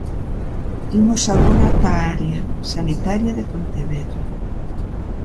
Imos agora ata a área Sanitaria de Pontevedra.